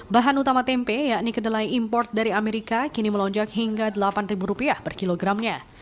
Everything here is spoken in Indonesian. bahan utama tempe yakni kedelai impor dari amerika kini melonjak hingga delapan ribu rupiah per kilogramnya